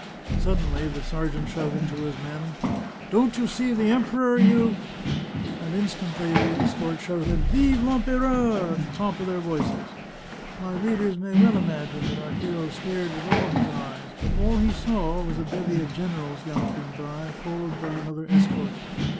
Suddenly the sergeant shouted to his men :" Don't you see the Emperor, you " and instantly the escort shouted " Vive I'Empereur " at the top of their voices. My readers may well imagine that our hero stared with all his eyes, but all he saw was a bevy of generals gal loping by, followed by another escort.